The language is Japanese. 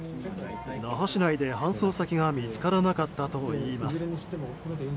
那覇市内で搬送先が見つからなかったといいます。